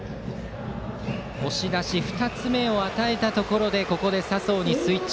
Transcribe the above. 押し出し２つ目を与えたところでここで佐宗にスイッチ。